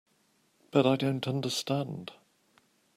But I don't understand.